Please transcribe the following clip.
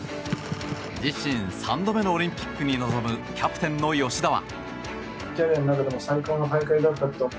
自身３度目のオリンピックに臨むキャプテンの吉田は。